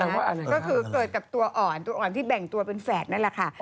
ก็คือเกิดตัวอ่อนที่แบ่งตัวเป็นแฝดนั่นแหละค่ะ